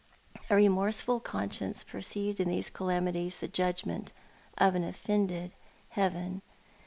A remorseful conscience perceived in these calamities the judg ment of an offended Heaven.